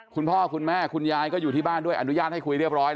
คุณพ่อคุณแม่คุณยายก็อยู่ที่บ้านด้วยอนุญาตให้คุยเรียบร้อย